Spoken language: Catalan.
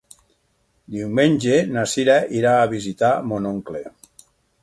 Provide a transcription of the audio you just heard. Diumenge na Cira irà a visitar mon oncle.